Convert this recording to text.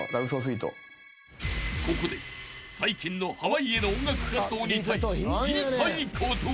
［ここで最近の濱家の音楽活動に対し言いたいことが］